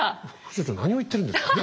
副所長何を言ってるんですか？